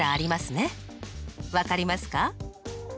分かりますか？